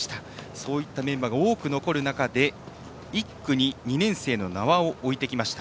そういったメンバーが多く残る中１区に２年生の名和を置いてきました。